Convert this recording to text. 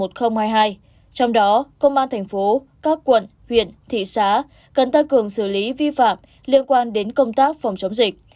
trong đó công an thành phố các quận huyện thị xã cần tăng cường xử lý vi phạm liên quan đến công tác phòng chống dịch